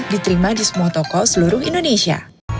diterima di semua toko seluruh indonesia